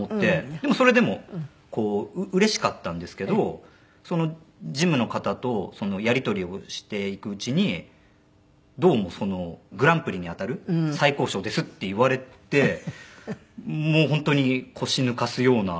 でもそれでもうれしかったんですけど事務の方とやり取りをしていくうちにどうもその「グランプリに当たる最高賞です」って言われてもう本当に腰抜かすような。